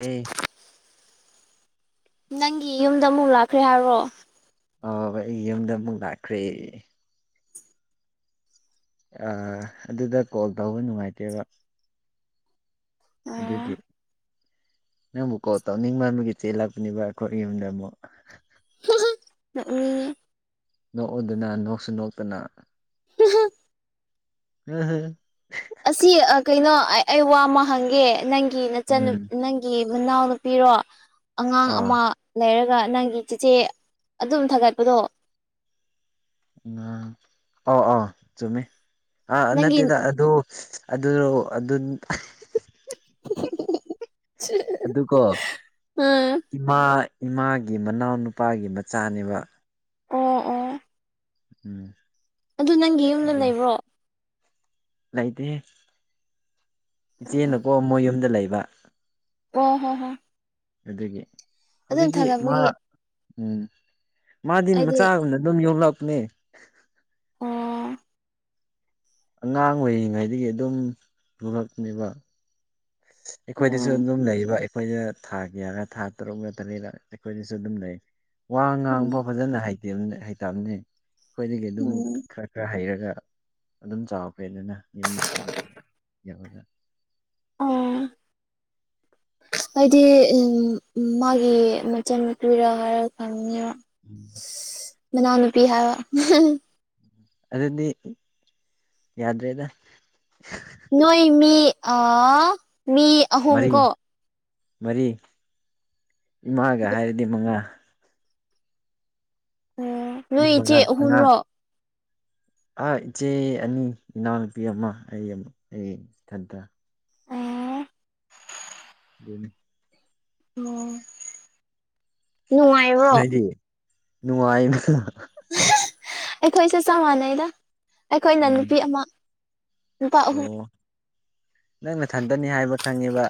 ꯑꯦ ꯅꯪꯒꯤ ꯌꯨꯝꯗ ꯑꯃꯨꯛ ꯂꯥꯛꯈ꯭ꯔꯦ ꯍꯥꯏꯔꯣ ꯑꯣ ꯑꯩ ꯌꯨꯝꯗ ꯑꯃꯨꯛ ꯂꯥꯛꯈ꯭ꯔꯦ ꯑ ꯑꯗꯨꯗ ꯀꯣꯜ ꯇꯧꯕ ꯅꯨꯡꯉꯥꯏꯇꯦꯕ ꯑꯗꯨꯒꯤ ꯅꯪꯕꯨ ꯀꯣꯜ ꯇꯧꯅꯤꯡꯃꯟꯕꯒꯤ ꯆꯦꯜꯂꯛꯄꯅꯦꯕ ꯑꯩꯈꯣꯏ ꯌꯨꯝꯗ ꯑꯃꯨꯛ [unintelligible] ꯎꯝ ꯅꯣꯛꯎꯗꯅ ꯅꯣꯛꯁꯨ ꯅꯣꯛꯇꯅ [unintelligible] [unintelligible] ꯑꯁꯤ ꯑ ꯀꯩꯅꯣ ꯑꯩ ꯋꯥ ꯑꯃ ꯍꯪꯒꯦ ꯅꯪꯒꯤ ꯅꯆꯟ ꯎꯝ ꯅꯪ ꯒꯤ ꯃꯅꯥꯎ ꯅꯨꯄꯤꯔꯣ ꯑꯉꯥꯡ ꯑꯥ ꯑꯃ ꯂꯩꯔꯒ ꯅꯪꯒꯤ ꯆꯦꯆꯦ ꯑꯗꯨꯝ ꯊꯥꯒꯠꯄꯗꯣ ꯑꯥꯎ ꯑꯥꯎ ꯆꯨꯝꯃꯤ ꯑꯥ ꯅꯪꯒꯤ ꯅꯠꯇꯦꯗ ꯑꯗꯨ ꯑꯗꯨꯔꯣ ꯑꯗꯨꯟ [unintelligible] ꯑꯗꯨꯒꯣ ꯎꯝ ꯏꯃꯥ ꯏꯃꯥꯒꯤ ꯃꯅꯥꯎꯅꯨꯄꯥꯒꯤ ꯃꯆꯥꯅꯦꯕ ꯑꯣ ꯑꯣ ꯎꯝ ꯑꯗꯨ ꯅꯪꯒꯤ ꯌꯨꯝꯗ ꯑꯗꯨꯅꯤ ꯂꯩꯕ꯭ꯔꯣ ꯂꯩꯇꯦ ꯏꯆꯦꯅꯀꯣ ꯃꯣꯏ ꯌꯨꯝꯗ ꯂꯩꯕ ꯑꯣ ꯍꯣ ꯍꯣ ꯑꯗꯒꯤ ꯍꯧꯖꯤꯛꯇꯤ ꯃꯥ ꯊꯥꯒꯠꯄꯒꯤ ꯎꯝ ꯃꯥꯗꯤ ꯑꯩꯗꯤ ꯃꯆꯥꯒꯨꯝꯅ ꯑꯗꯨꯝ ꯌꯣꯂꯛꯄꯅꯦ ꯑꯣ ꯑꯉꯥꯡ ꯑꯣꯏꯔꯤꯉꯩꯗꯒꯤ ꯑꯗꯨꯝ ꯄꯨꯔꯛꯅꯦꯕ ꯑꯩꯈꯣꯏꯗꯁꯨ ꯎꯝ ꯑꯗꯨꯝ ꯂꯩꯕ ꯑꯩꯈꯣꯏꯅ ꯊꯥ ꯀꯌꯥꯒ ꯊꯥ ꯇꯔꯨꯛꯒ ꯇꯔꯦꯠꯂ ꯑꯩꯈꯣꯏꯗꯁꯨ ꯑꯗꯨꯝ ꯂꯩ ꯋꯥ ꯉꯥꯡꯕ ꯐꯖꯅꯇ ꯍꯩꯇꯕꯅꯦ ꯑꯩꯈꯣꯏꯗꯒꯤ ꯑꯗꯨꯝ ꯎꯝ ꯈꯔ ꯈꯔ ꯍꯩꯔꯒ ꯑꯗꯨꯝ ꯆꯥꯎꯔꯛꯄꯦ ꯑꯗꯨꯅ ꯌꯨꯝꯗꯨꯗ ꯑꯣꯏꯅ ꯌꯧꯔꯒ [inaudible] ꯍꯥꯏꯗꯤ ꯎꯝ ꯃꯥꯒꯤ ꯃꯆꯟꯅꯨꯄꯤꯔ ꯍꯥꯏꯔꯒ ꯈꯪꯅꯤ [inaudible] ꯃꯅꯧꯅꯨꯄꯤ ꯍꯥꯏꯕ ꯑꯗꯨꯗꯤ ꯌꯥꯗ꯭ꯔꯦꯗ ꯅꯣꯏ ꯃꯤ ꯑ ꯃꯤ ꯑꯍꯨꯝ ꯃꯔꯤ ꯀꯣ ꯃꯔꯤ ꯏꯃꯥꯒ ꯍꯥꯏꯔꯗꯤ ꯃꯉꯥ ꯅꯨꯄꯤ ꯅꯣꯏ ꯏꯆꯦ ꯃꯉꯥ ꯑꯍꯨꯝꯔꯣ ꯑ ꯏꯆꯦ ꯑꯅꯤ ꯏꯅꯥꯎꯅꯨꯄꯤ ꯑꯃ ꯑꯩ ꯑꯩ ꯏꯊꯟꯗ ꯎꯝ ꯑꯣ [inaudible] ꯑꫭ ꯅꯨꯉꯥꯏ ꯉꯗꯤ ꯅꯨꯡꯉꯥꯏ ꯑꯩꯈꯣꯏꯁꯦ ꯆꯞ ꯃꯥꯟꯅꯩꯗ ꯑꯩꯈꯣꯏꯅ ꯎꯝ ꯅꯨꯄꯤ ꯑꯃ ꯅꯨꯄꯥ ꯑꯍꯨꯝ ꯑꯣ ꯅꯪ ꯃꯊꯟꯗꯅꯤ ꯍꯥꯏꯕ ꯈꯪꯉꯤꯕ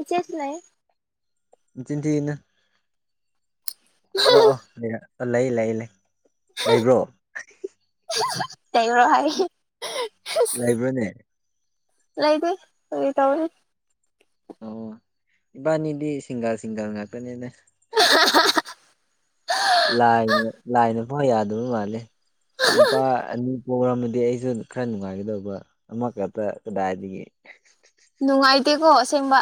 ꯏꯆꯦꯁ ꯂꯩꯏ ꯏꯆꯤꯟ [unintelligible] ꯑꯣ ꯑꯣ ꯂꯩ ꯂꯩ ꯂꯩ ꯂꯩ ꯂꯩꯕ꯭ꯔꯣ ꯇꯕ꯭ꯔꯣ ꯍꯥꯏ ꯂꯥꯏꯕꯅꯦ ꯂꯩꯥꯏꯗꯤ ꯇ ꯑꯣ ꯏꯕꯥꯅꯤꯗꯤ ꯁꯤꯡꯒꯥꯜ ꯁꯤꯡꯒꯜ ꯉꯥꯛꯇꯅꯦꯅꯦ [inaudible] ꯂꯥꯏꯅ ꯂꯥꯏꯅ ꯐ ꯌꯥꯗꯕ ꯃꯥꯂꯦ ꯅꯨꯄꯥ ꯄꯝꯃꯗꯤ ꯑꯩꯁꯨ ꯈꯔ ꯅꯨꯡꯉꯥꯏꯒꯗꯧꯕ ꯑꯃꯈꯛꯇ ꯀꯗꯥꯏꯗꯒꯤ ꯅꯨꯡꯉꯥꯏꯇꯦꯀꯣ ꯑꯁꯦꯡꯕ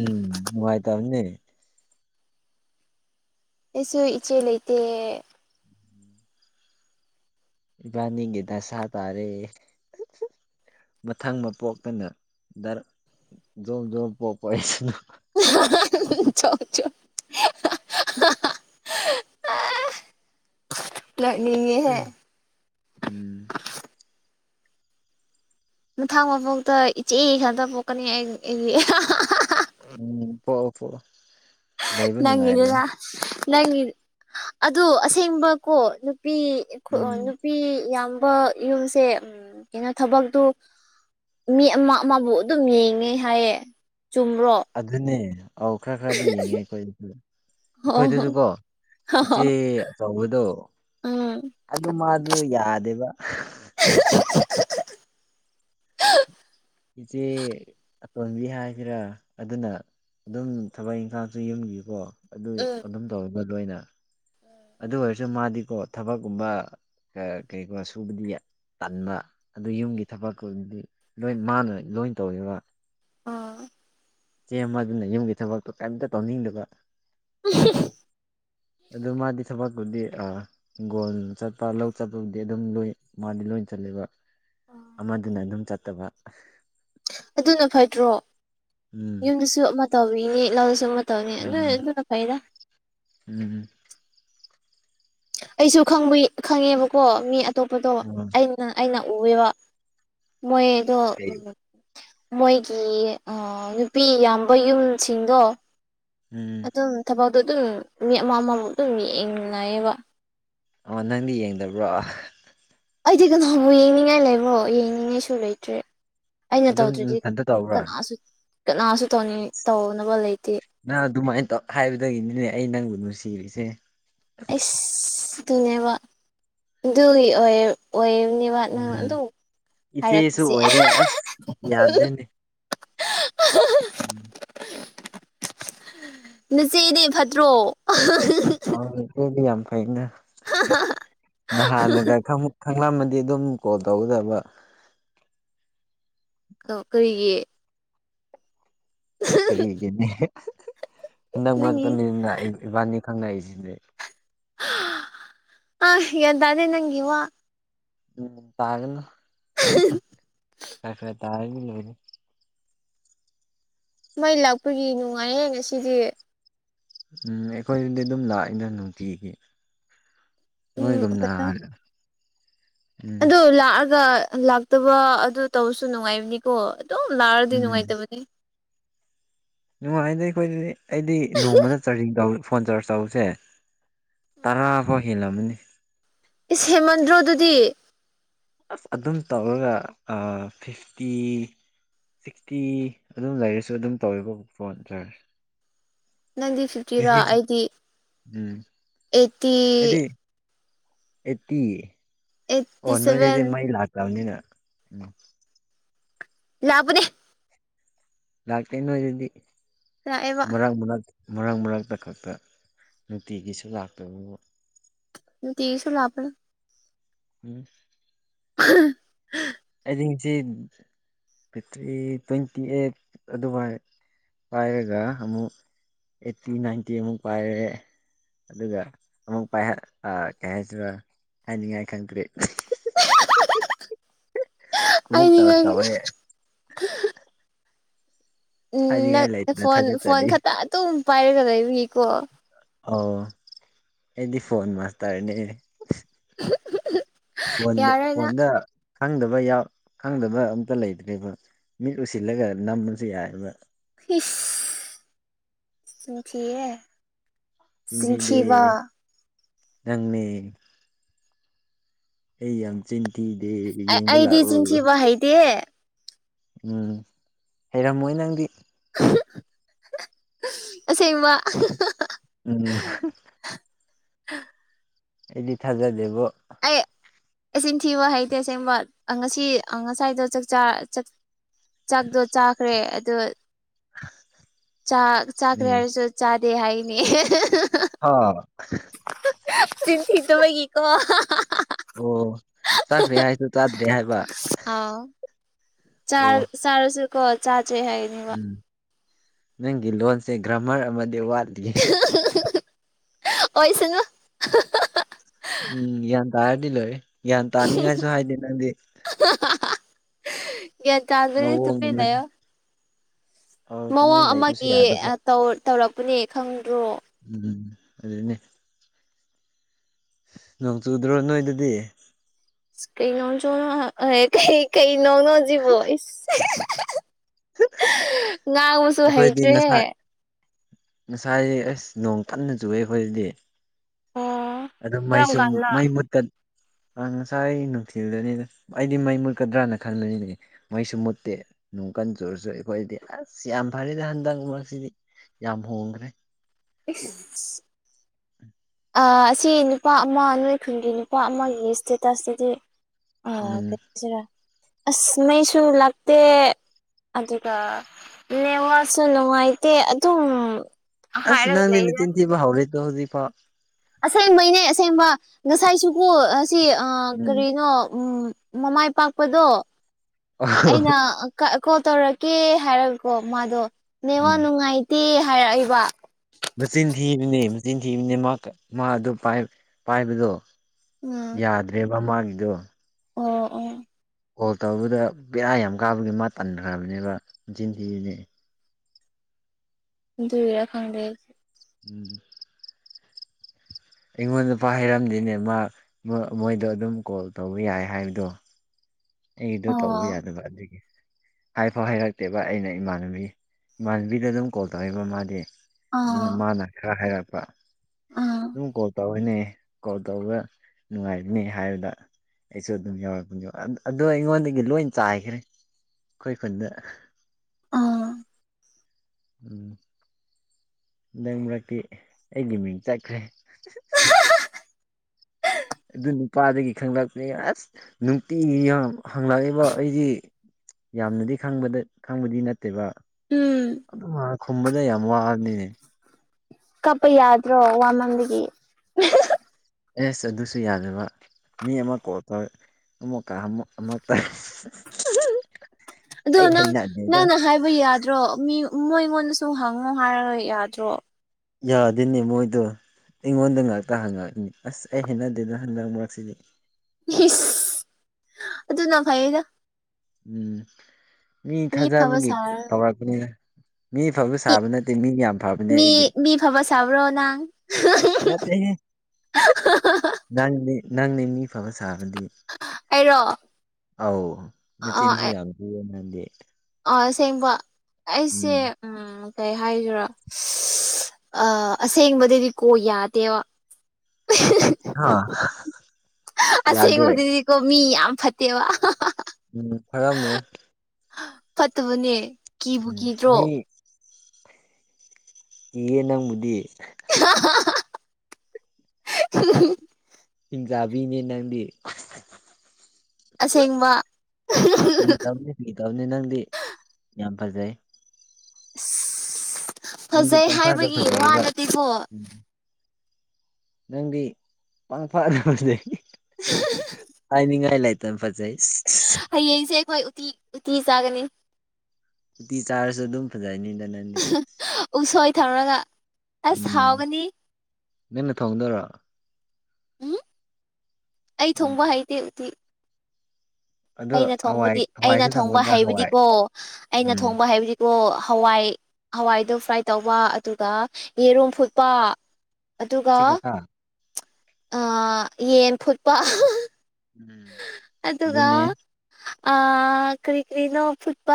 ꯎꯝ ꯅꯨꯉꯥꯏ ꯇꯔꯅꯤ ꯑꯩꯁꯨ ꯏꯆꯦ ꯂꯩꯇꯦ ꯏꯕꯥꯅꯤꯒꯤꯗ ꯁꯥꯥ ꯇꯥꯔꯦ ꯃꯊꯪ ꯃ ꯄꯣꯛꯇꯅ ꯖꯣꯝ ꯖꯣꯝ ꯄꯣꯛꯄ ꯍꯥꯏꯁꯤꯅ [inaudible] [inaudible] ꯑ ꯂꯅꯤꯡꯉꯍꯦ ꯎꯝ ꯃꯊꯪ ꯃꯕꯣꯛꯇ ꯏꯆꯦ ꯈꯟꯇ ꯄꯣꯛꯀꯅꯤ ꯑꯩ ꯄꫭꯛꯑꫭ ꯄꫭꯛꯑꫭ ꯅꯪꯗꯔ ꯅꯪꯒꯤ ꯑꯗꫭ ꯑꯁꯦꯡꯕꯀꯣ ꯅꯨꯄꯤ ꯎꯝ ꯅꯨꯄꯤ ꯌꯥꯝꯕ ꯌꯨꯝꯁꯦ ꯀꯩꯅꯣ ꯊꯕꯛꯇꯨ ꯃꯤ ꯑꯃ ꯑꯃꯕꯨ ꯑꯗꯨꯝ ꯌꯦꯡꯉꯦ ꯍꯥꯏꯌꯦ ꯆꯨꯝꯕ꯭ꯔꯣ ꯑꯗꯨꯅꯦ ꯑꯧ ꯈꯔ ꯈꯔꯗꯤ ꯌꯦꯡꯉꯦ ꯑꯩꯈꯣꯏ ꯑꯩꯈꯣꯏꯗꯁꯨꯀꯣ ꯏꯆꯦ ꯑꯆꯧꯕꯗꯣ ꯎꯝ ꯑꯗꯨ ꯃꯥꯗꯨ ꯌꯥꯗꯦꯕ [inaudible] ꯏꯆꯦ ꯑꯇꯣꯟꯕꯤ ꯍꯥꯏꯁꯤꯔꯥ ꯑꯗꯨꯅ ꯑꯗꯨꯝ ꯊꯕꯛ ꯏꯪꯈꯥꯡꯁꯨ ꯌꯨꯝꯒꯤꯀꯣ ꯑꯗꯨ ꯑꯗꯨꯝ ꯇꯧꯋꯕ ꯑꯣꯏꯅ ꯎꯝ ꯑꯗꯨ ꯑꯣꯏꯔꯁꯨ ꯃꯥꯗꯤꯀꯣ ꯊꯕꯛꯀꯨꯝꯕ ꯀꯩꯀꯨꯝ ꯁꯨꯕꯗꯤ ꯇꯟꯕ ꯑꯗꯨ ꯌꯨꯝꯒꯤ ꯊꯕꯛꯇꯨꯗꯤ ꯂꯣꯏ ꯃꯥꯅ ꯂꯣꯏ ꯇꯧꯔꯤꯕ ꯑꯣꯥ ꯆꯦꯃ ꯑꯗꯨꯅ ꯌꯨꯝꯒꯤ ꯊꯕꯛꯇꯣ ꯀꯔꯤꯝꯇ ꯇꯧꯅꯤꯡꯗꯕ ꯑꯗꯨ ꯃꯥꯗꯤ ꯊꯕꯛꯇꯨꯗꯤ ꯍꯤꯡꯒꯣꯜ ꯆꯠꯄ ꯂꯧ ꯆꯠꯄꯕꯨꯗꯤ ꯑꯗꯨꯝ ꯂꯣꯏ ꯃꯥꯗꯤ ꯂꯣꯏ ꯆꯠꯂꯦꯕ ꯑꯃꯗꯨꯅ ꯑꯗꯨꯝ ꯆꯠꯇꯕ ꯑꯗꯨꯅ ꯐꯠꯇ꯭ꯔꯣ ꯎꯝ ꯌꯨꯝꯗꯁꯨ ꯑꯃ ꯇꯧꯤꯅꯦ ꯂꯥꯎꯗꯁꯨ ꯑꯃ ꯇꯧꯅꯤ ꯅꯣꯏ ꯎꯝ ꯑꯗꯨꯅ ꯀꯩꯗ ꯎꯝ [unintelligible] ꯑꯩꯁꯨ ꯈꯪꯕ ꯈꯪꯉꯦꯕꯀꯣ ꯃꯤ ꯑꯇꯣꯞꯄꯗꯣ ꯑꯣ ꯑꯩ ꯑꯗꯨ ꯑꯩꯅ ꯎꯋꯕ ꯃꯣꯏꯗꯣ ꯎ ꯃꯣꯏꯒꯤ ꯅꯨꯄꯤ ꯌꯥꯝꯕ ꯌꯨꯝꯁꯤꯡꯗꯣ ꯎꯝ ꯑꯗꯨꯝ ꯊꯕꯛꯗꯣ ꯑꯗꯨꯝ ꯃꯤ ꯑꯃ ꯑꯃꯕꯨ ꯑꯗꯨꯝ ꯌꯦꯡ ꯅꯥꯌꯦꯕ ꯑ ꯅꯪꯗꯤ ꯌꯦꯡꯗꯕ꯭ꯔꯣ ꯑꯩꯗꯤ ꯀꯅꯕꯨ ꯌꯦꯡꯅꯤꯡꯉꯥꯏ ꯂꯩꯕ꯭ꯔꯣ ꯌꯦꯡꯅꯤꯡꯉꯥꯏꯁꯨ ꯂꯩꯇ꯭ꯔꯦ ꯑꯩꯅ ꯑꯗꯨꯝ ꯇꯧꯗ꯭ꯔꯗꯤ ꯅꯊꯟꯇ ꯇꯧꯕ꯭ꯔꯥ ꯀꯅꯥꯁꯨ ꯀꯅꯥꯁꯨ ꯇꯧꯅꯤꯡ ꯇꯧꯅꯕ ꯂꯩꯇꯦ ꯅꯪ ꯑꯗꯨꯃꯥꯏꯅ ꯇꯧ ꯍꯥꯏꯕꯗꯒꯤꯅꯤꯅꯦ ꯑꯩ ꯅꯪꯕꯨ ꯅꯨꯡꯁꯤꯔꯤꯁꯦ ꯑꯁ ꯑꯗꯨꯅꯦꯕ ꯑꯗꯨꯒꯤ ꯑꯣꯏ ꯑꯣꯏꯅꯦꯕ ꯑ ꯅꯪ ꯎꯝ ꯑꯗꯨꯝ ꯏꯆꯦꯁꯨ ꯍꯥꯏꯔꯛꯄꯁꯦ ꯑꯣꯏꯔꯦ ꯑꯁ ꯍ [unintelligible] ꯎꯝ [inaudible] ꯅꯆꯦꯗ ꯐꯠꯇ꯭ꯔꯣ ꯑꯦꯗꯤ ꯌꯥꯝ ꯐꯩꯅ ꯅꯍꯥꯟꯅꯒ ꯈꯪ ꯈꯪꯂꯝꯃꯗꯤ ꯑꯗꯨꯝ ꯀꯣꯜ ꯇꯧꯒꯗꯕ ꯀꯔꯤꯒꯤ ꯀꯔꯤꯒꯤꯅꯦ ꯍꯟꯗꯛ ꯅꯪꯒꯤ ꯃꯔꯛꯇꯅꯤꯅ ꯏꯕꯥꯅꯤ ꯈꯪꯅꯏꯁꯤꯅꯦ ꯑ ꯒ꯭ꯌꯥꯟ ꯇꯗꯦ ꯅꯪꯒꯤ ꯋꯥ ꯎꯝ ꯇꯥꯒꯅꯨ ꯎ ꯇꯥꯔꯅꯤ ꯂꯣꯏ ꯃꯩ ꯂꯥꯛꯄꯒꯤ ꯅꯨꯡꯉꯥꯏꯌꯦ ꯉꯁꯤꯗꯤ ꯎꯝ ꯑꯩꯈꯣꯏꯗꯤ ꯑꯗꯨꯝ ꯂꯥꯛꯏꯅ ꯅꯨꯡꯇꯤꯒꯤ ꯎꯝ ꯅꯣꯏꯒꯨꯝꯅ ꯀꯩꯅꯣ ꯎꯝ ꯑꯗꯨ ꯂꯥꯛꯑꯒ ꯂꯥꯛꯇꯕ ꯑꯗꯨ ꯇꯧꯕꯁꯨ ꯅꯨꯡꯉꯥꯏꯕꯅꯤꯀꯣ ꯗꯨꯝ ꯂꯥꯑꯗꯤ ꯎꯝ ꯅꯨꯡꯉꯥꯏꯇꯕꯅꯤ ꯅꯨꯡꯉꯥꯏꯗ ꯑꯩꯈꯣꯏꯗꯗꯤ ꯑꯩꯗꯤ ꯅꯣꯡꯃꯗ ꯆꯥꯖꯤꯡ ꯇꯧ ꯐꯣꯟ ꯆꯥ꯭ꯔꯁ ꯇꯧꯕꯁꯦ ꯎꯝ ꯇꯔꯥꯐꯥꯎ ꯍꯦꯜꯂꯝꯃꯅꯤ ꯏꯁ ꯍꯦꯃꯟꯗ꯭ꯔꯣꯗꯨꯗꯤ ꯑ ꯑꯗꯨꯝ ꯇꯧꯔꯒ ꯐꯤꯐꯇꯤ ꯁꯤꯛꯁꯇꯤ ꯑꯗꯨꯝ ꯂꯩꯔꯁꯨ ꯑꯗꯨꯝ ꯇꯧꯋꯦꯕ ꯐꯣꯟ ꯆꯥ꯭ꯔꯁꯦ ꯅꯪꯗꯤ ꯐꯤꯐꯇꯤꯔꯣ ꯑꯩꯗꯤ ꯎꯝ ꯑꯩꯠꯇꯤ ꯑꯦꯠꯇꯤ ꯑꯩꯠꯇꯤ ꯑꯣ ꯁꯚꯦꯟ ꯅꯣꯏꯁꯤꯗꯤ ꯃꯩ ꯂꯥꯛꯇꯕꯅꯤꯅ ꯎꯝ ꯂꯥꯛꯕꯅꯦ ꯂꯥꯛꯇꯦ ꯅꯣꯏꯗꯨꯗꯤ ꯂꯥꯛꯑꯦꯕ ꯃꯔꯛ ꯃꯔꯛ ꯃꯔꯛ ꯃꯔꯛꯇ ꯈꯛꯇ ꯅꯨꯡꯇꯤꯒꯤꯁꯨ ꯂꯥꯛꯇꯕꯕꯨ ꯅꯨꯡꯇꯤꯒꯤ ꯁꯨꯝ ꯂꯥꯛꯄꯅꯦ ꯎꯝ [unintelligible] ꯑꯩꯗꯤꯉꯤꯁꯤꯠ ꯕꯦꯇ꯭ꯔꯤ ꯇ꯭ꯋꯦꯟꯇꯤ ꯑꯩꯠ ꯑꯗꯨꯏ ꯄꯥꯏꯔꯒ ꯑꯃꯨꯛ ꯑꯩꯠꯇꯤ ꯅꯥꯏꯟꯇꯤ ꯑꯃꯨꯛ ꯄꯥꯏꯔꯦ ꯑꯗꯨꯒ ꯑꯃꯨꯛ ꯀꯩ ꯍꯥꯏꯁꯤꯔ ꯍꯥꯏꯅꯤꯡꯉꯥꯏ ꯈꯪꯗ꯭ꯔꯦ [unintelligible] ꯑꯃꯨꯛ ꯑꯩꯗꯤ ꯆꯥꯔꯖ ꯅꯪ ꯇꯧꯋꯦ ꯎꯝ ꯍꯥꯏꯅꯤꯡꯉꯥꯏ ꯅꯪ ꯂꯩꯇꯅ ꯐꯣꯟ ꯐꯣꯟ ꯊꯥꯒꯠꯆꯔꯤ ꯈꯛꯇ ꯑꯗꯨꯝ ꯄꯥꯏꯔꯒ ꯂꯩꯕꯒꯤꯀꯣ ꯑꯣ ꯑꯩꯗꯤ ꯐꯣꯟ ꯃꯥꯁꯇꯥꯔ ꯅꯦ [unintelligible] ꯋꯥꯟꯗ ꯌꯥꯔꯣꯏ ꯅꯪ ꯋꯥꯟꯗꯥ ꯈꯪꯗꯕ ꯌꯥꯎ ꯈꯪꯗꯕ ꯑꯝꯇ ꯂꯩꯇ꯭ꯔꯦꯕ ꯃꯤꯠ ꯎꯁꯤꯜꯂꯒ ꯅꯝꯕꯁꯨ ꯌꯥꯏꯕ ꯏꯁ ꯆꯤꯟ ꯊꯤꯍꯦ ꯆꯤꯟꯗꯤꯗꯦ ꯅꯪꯅꯦ ꯑꯩ ꯌꯥꯝ ꯆꯤꯟꯊꯤꯗꯦ ꯑꯩ ꯌꯦꯡꯕ ꯑꯩꯗꯤ ꯂꯥꯛꯎ ꯆꯤꯟ ꯊꯤꯕ ꯍꯩꯇꯦ ꯎꯝ ꯍꯩꯔꯝꯃꯣꯏ ꯅꯪꯗꯤ ꯑꯁꯦꯡꯕ ꯎꯝ ꯑꯩꯗꯤ ꯊꯥꯖꯗꯦꯕꯣ ꯑꯩ ꯏꯆꯤꯟ ꯊꯤꯕ ꯍꯩꯇꯦ ꯑꯁꯦꯡꯕ ꯑꯥ ꯉꯁꯤ ꯑꯥ ꯉꯁꯥꯏꯗꯣ ꯆꯥꯛꯆꯥꯔ ꯆꯠ ꯆꯥꯛꯗꯣ ꯆꯥꯈ꯭ꯔꯦ ꯑꯗꯣ ꯆꯥ ꯆꯥꯈ꯭ꯔꯦ ꯎꯝ ꯍꯥꯏꯔꯁꯨ ꯆꯥꯗꯦ ꯍꯥꯏꯒꯅꯤ [unintelligible] ꯍꯥ ꯆꯤꯟ ꯊꯤꯗꯕꯒꯤ ꯀꯣ ꯑꯣ ꯆꯈ꯭ꯔꯦ ꯍꯥꯏꯗꯣ ꯆꯥꯗ꯭ꯔꯦ ꯍꯥꯏꯕ ꯑꯥꯎ ꯆꯥ ꯑꯣ ꯆꯥꯔꯁꯨꯀꯣ ꯆꯥꯗ꯭ꯔꯦ ꯍꯥꯏꯌꯦ ꯎꯝ ꯅꯪꯒꯤ ꯂꯣꯟꯁꯦ ꯒ꯭ꯔꯥꯃꯔ ꯑꯃꯗꯤ ꯋꯥꯠꯂꯤꯌꯦ [unintelligible] ꯑꯣꯏꯁꯅꯨ ꯎꯝ ꯒ꯭ꯌꯥꯟ ꯇꯥꯔꯗꯤ ꯂꯣꯏꯔꯦ ꯒ꯭ꯌꯥꯟ ꯇꯥꯅꯤꯡꯉꯥꯏꯁꯨ ꯍꯥꯏꯗꯦ ꯅꯪꯗꯤ ꯒ꯭ꯌꯥꯟ ꯇꯥꯗ꯭ꯔꯗꯤ ꯃꯑꯣꯡ ꯇꯨꯃꯤꯟ ꯑꯃꯅꯤ ꯂꯩꯌꯣ ꯑꯧ ꯇꯨꯃꯤꯟ ꯃꯑꯣꯡ ꯂꯩꯕꯁꯨ ꯑꯃꯒꯤ ꯌꯥꯗꯕ ꯑ ꯇꯧ ꯇꯧꯔꯛꯄꯅꯦ ꯈꯪꯗ꯭ꯔꯣ ꯎꯝ ꯑꯗꯨꯅꯦ ꯅꯣꯡ ꯆꯨꯗ꯭ꯔꯣ ꯅꯣꯏꯗꯗꯤ ꯏꯁ ꯀꯩꯅꯣꯡ ꯆꯨꯂꯛꯂꯦ ꯀꯩ ꯀꯩ ꯅꯣꯡꯅꯣ ꯁꯤꯕꯨ ꯏꯁ ꯉꯥꯎꯁ ꯑꯩꯈꯣꯏꯗꯤ ꯉꯁꯥꯏ ꯉꯁꯥꯏ ꯑꯩꯁ ꯅꯣꯡ ꯀꯟꯅ ꯆꯨꯏꯌꯦ ꯑꯈꯣꯏꯒꯤꯗꯤ ꯑꯣ ꯑꯗꯨꯝ ꯀꯔꯝ ꯃꯩꯁꯨ ꯀꯥꯟꯗ ꯃꯩ ꯃꯨꯠꯇꯟ ꯑꯥ ꯉꯁꯥꯏ ꯅꯨꯡꯊꯤꯜꯗꯅꯤꯗ ꯑꯩꯗꯤ ꯃꯩ ꯃꯨꯠꯀꯗ꯭ꯔꯅ ꯈꯟꯕꯅꯤꯅꯦ ꯃꯩꯁꯨ ꯃꯨꯠꯇꯦ ꯅꯣꯡ ꯀꯟꯅ ꯆꯨꯔꯁꯨ ꯑꯩꯈꯣꯏꯗꯤ ꯑꯁ ꯁꯤ ꯌꯥꯝ ꯐꯔꯦꯗ ꯍꯟꯗꯛꯃꯔꯛꯁꯤꯗꯤ ꯌꯥꯝ ꯍꯣꯡꯈ꯭ꯔꯦ ꯏꯁ ꯑꯥ ꯑꯁꯤ ꯅꯨꯄꯥ ꯑꯃ ꯅꯣꯏ ꯈꯨꯟꯒꯤ ꯅꯨꯄꯥ ꯑꯃꯒꯤ ꯏꯁꯇꯦꯇꯁꯁꯤꯗꯤ ꯑꯥ ꯎꯝ ꯀꯩꯗꯧꯁꯦꯔꯥ ꯑꯁ ꯃꯩꯁꯨ ꯂꯥꯛꯇꯦ ꯑꯗꯨꯒ ꯅꯦꯠꯋꯥꯛꯁꯨ ꯅꯨꯡꯉꯥꯏꯇꯦ ꯑꯗꯨꯝ ꯑꯁ ꯍꯥꯏꯔꯒ ꯅꯪꯗꯤ ꯂꯩꯗ ꯅꯆꯤꯟ ꯊꯤꯕ ꯍꯧꯔꯦꯗꯣ ꯍꯧꯖꯤꯛꯐꯥꯎ ꯑꯁꯦꯡꯕꯩꯅꯦ ꯑꯁꯦꯡꯕ ꯉꯁꯥꯏꯁꯨꯀꯣ ꯑꯁꯤ ꯎꯝ ꯀꯔꯤꯅꯣ ꯎꯝ ꯃꯃꯥꯏ ꯄꯥꯛꯄꯗꯣ ꯎꯝ ꯑꯩꯅ ꯑꯥ ꯀ ꯀꯣꯜ ꯇꯧꯔꯛꯀꯦ ꯍꯥꯏꯔꯒꯀꯣ ꯃꯥꯗꯣ ꯅꯦꯠꯋꯥꯛ ꯅꯨꯡꯉꯥꯏꯇꯦ ꯍꯥꯏꯔꯛꯏꯕ ꯃꯆꯤꯟ ꯊꯤꯔꯤꯅꯦ ꯃꯆꯤꯟ ꯊꯤꯕꯅꯦ ꯃꯛ ꯃꯥ ꯑꯗꯨ ꯄꯥꯏ ꯄꯥꯏꯕꯗꯣ ꯎꯝ ꯌꯥꯗ꯭ꯔꯦꯕ ꯃꯒꯤꯗꯨ ꯑꯣ ꯑꯣ ꯀꯣꯜ ꯇꯧꯕꯗ ꯕꯦꯔꯥ ꯌꯥꯝ ꯀꯥꯕꯅꯦ ꯃꯥ ꯇꯟꯈ꯭ꯔꯕꯅꯦꯕ ꯃꯆꯤꯟ ꯊꯤꯔꯤꯅꯦ ꯑꯗꯨꯢꯔ ꯈꯪꯗꯩ ꯎꯝ ꯑꯩꯉꯣꯟ ꯐꯥꯎ ꯍꯥꯏꯔꯝꯗꯅꯦ ꯃꯥ ꯃꯣꯏ ꯃꯣꯏꯗꯣ ꯑꯗꯨꯝ ꯀꯣꯜ ꯇꯧꯕ ꯌꯥꯏ ꯍꯥꯏꯕꯗꯨ ꯑꯩꯒꯤꯗꯣ ꯇꯧꯕ ꯑꯣ ꯌꯥꯗꯕ ꯑꯗꯨꯒꯤ ꯍꯥꯏꯐꯥꯎ ꯍꯥꯏꯩꯔꯛꯇꯦꯕ ꯑꯩꯅ ꯏꯃꯥꯟꯅꯕꯤ ꯏꯃꯥꯟꯅꯕꯤꯗ ꯑꯗꯨꯝ ꯀꯣꯜ ꯇꯧꯋꯦꯕ ꯃꯥꯗꯤ ꯑꯗꯨꯅ ꯑꯥ ꯃꯥꯅ ꯈꯔ ꯍꯥꯏꯔꯛꯄ ꯑꯥ ꯑꯗꯨꯝ ꯀꯣꯜ ꯇꯧꯋꯦꯅꯦ ꯀꯣꯜ ꯇꯧꯕ ꯅꯨꯡꯉꯥꯏꯕꯅꯦ ꯍꯥꯏꯕꯗ ꯑꯩꯁꯨ ꯑꯗꯨꯝ ꯌꯧꯔꯛꯄꯅꯦꯕ ꯑꯗ ꯑꯗꯣ ꯑꯩꯉꯣꯟꯗꯒꯤ ꯂꯣꯏ ꯆꯥꯏꯈ꯭ꯔꯦ ꯑꯈꯣꯏ ꯈꯨꯟꯗ ꯑꯥ ꯎꯝ ꯍꯟꯗꯛ ꯃꯔꯛꯇꯤ ꯑꯩꯒꯤ ꯃꯤꯡ ꯆꯠꯈ꯭ꯔꯦ ꯍꯍ ꯑꯗꯨ ꯅꯨꯄꯥꯗꯨꯒꯤ ꯈꯪꯅꯞꯅꯦ ꯑꯁ ꯅꯨꯡꯇꯤꯒꯤ ꯍꯪ ꯍꯪꯂꯛꯂꯦꯕ ꯑꯩꯗꯤ ꯌꯥꯝꯅꯗꯤ ꯈꯪꯕꯗ ꯈꯪꯕꯗꯤ ꯅꯠ ꯇꯦꯕ ꯎꯝ ꯑꯗꯨ ꯃꯥ ꯈꯨꯝꯕꯗ ꯌꯥꯝ ꯋꯥꯕꯅꯤꯅꯦ ꯀꯞꯄ ꯌꯥꯗ꯭ꯔꯣ ꯋꯥꯃꯟꯕꯒꯤ ꯏꯍꯤꯍ ꯑꯦꯁ ꯑꯗꯨꯁꯨ ꯌꯥꯗꯕ ꯃꯤ ꯑꯃ ꯀꯣꯜ ꯇꯧꯔꯦ ꯑꯃꯣꯛꯀꯥ ꯑꯃꯨꯛ ꯇꯩꯁꯁꯁ ꯑ ꯅꯪ ꯅꯪꯅ ꯍꯥꯏꯕ ꯌꯥꯗ꯭ꯔꯣ ꯃꯤ ꯃꯣꯏꯉꯣꯟꯗꯁꯨ ꯍꯪꯉꯣ ꯍꯥꯏꯔꯒ ꯌꯥꯗ꯭ꯔꯣ ꯌꯥꯗꯣꯏꯅꯦ ꯃꯣꯏꯗꯣ ꯑꯩꯉꯣꯟꯗ ꯉꯥꯛꯇ ꯍꯪꯉꯛꯅꯤ ꯑꯁ ꯑꯩ ꯍꯦꯟꯅꯗꯦꯗ ꯍꯟ ꯉꯛ ꯃꯔꯛꯁꯤꯗꯤ ꯑꯗꯨꯅ ꯐꯩꯌꯦꯗ ꯎꯝ ꯃꯤ ꯑꯐꯕ ꯊꯥꯖꯕꯒꯤ ꯁꯥꯔꯒ ꯇꯧꯔꯛꯄ ꯃꯤ ꯐꯕ ꯃꯤ ꯁꯥꯕ ꯅꯠꯇꯦ ꯃꯤ ꯌꯥꯝ ꯐꯕꯅꯦ ꯃꯤ ꯑꯩꯗꯤ ꯃꯤ ꯐꯕ ꯁꯥꯕ꯭ꯔꯣ ꯅꯪ ꯅꯪꯅꯦ ꯅꯪꯅꯦ ꯃꯤ ꯐꯕ ꯁꯥꯕꯗꯤ ꯑꯩꯔꯣ ꯑꯧ ꯅ ꯑ ꯇꯤꯟꯁꯤꯒꯥꯡꯁꯤꯅꯗꯤ ꯑ ꯁꯦꯡꯕ ꯑꯩꯁꯦ ꯎꯝ ꯎꯝ ꯀꯩ ꯍꯥꯏꯁꯤꯔꯥ ꯑ ꯑꯁꯦꯡꯕꯗꯗꯤ ꯀꯣ ꯌꯥꯗꯦꯕ ꯍꯥ ꯌꯥꯗꯦ ꯑꯁꯦꯡꯕꯗꯤꯗꯤꯀꯣ ꯃꯤ ꯌꯥꯝ ꯐꯠꯇꯦꯕ ꯎꯝ ꯐꯔꯝꯃꯣꯏ ꯐꯠꯇꯕꯨꯅꯦ ꯎꯝ ꯃꯤꯣꯏ ꯏꯌꯦ ꯅꯪꯕꯨꯗꯤ ꯍꯥ ꯍ ꯍꯤꯡ ꯆꯥꯕꯤꯅꯦ ꯅꯪꯗꯤ ꯑꯁꯦꯡꯕ ꯀꯇꯕꯅꯤ ꯅꯪꯗꯤ ꯌꯥꯝ ꯐꯖꯩ ꯅꯪꯗꯤ ꯐꯖꯩ ꯄꯪꯐꯥꯗ ꯍꯥꯏꯕꯒꯤ ꯋꯥ ꯐꯖꯩꯕ ꯅꯠꯇꯦꯀꯣ ꯎꯝ ꯅꯪꯗꯤ ꯄꯪ ꯐꯥꯗꯕꯁꯦ ꯍꯥꯏꯅꯤꯡꯉꯥꯏ ꯂꯩꯇꯦ ꯎꯇ ꯐꯖꯩꯁ ꯍꯌꯦꯡꯁꯦ ꯑꯩꯈꯣꯏ ꯎꯇꯤ ꯎꯇꯤ ꯆꯥꯒꯅꯤ ꯇꯤ ꯆꯥꯔꯁꯨ ꯑꯗꯨꯝ ꯐꯖꯅꯤꯗꯅ ꯅꯥꯟꯗꯤ ꯎꯁꯣꯏ ꯊꯧꯅ ꯎꯝ ꯅꯪꯅ ꯊꯣꯡꯗꯣꯏꯔ ꯎꯝ ꯑꯩ ꯎꯝ ꯊꯣꯡꯕ ꯍꯩꯇꯦ ꯎꯇꯤ ꯑꯗꯣ ꯑꯩꯅ ꯍꯋꯥꯏ ꯊꯣꯡꯕꯗꯤ ꯑꯩꯅ ꯍꯋꯥꯏꯁꯨ ꯊꯣꯡꯕ ꯊꯝꯒꯗ꯭ꯔꯥ ꯍꯋꯥꯏ ꯍꯥꯏꯕꯗꯤꯀꯣ ꯑꯩꯅ ꯎꯝ ꯊꯣꯡꯕ ꯍꯩꯕꯗꯤ ꯕꯣ ꯍꯋꯥꯏ ꯍꯋꯥꯏꯗꯣ ꯐ꯭ꯔꯥꯏ ꯇꯧꯕ ꯑꯗꯨꯒ ꯌꯦꯔꯨꯝ ꯐꯨꯠꯄ ꯑꯗꯨꯒ ꯁꯤ ꯈꯛꯇ ꯌꯦꯟ ꯐꯨꯠꯄ ꯎꯝ ꯑꯗꯨꯒ ꯑꯗꯨꯅꯦ ꯀꯔꯤ ꯀꯔꯤꯅꯣ ꯐꯨꯠꯄ